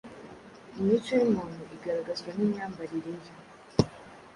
Imico y’umuntu igaragazwa n’imyambarire ye.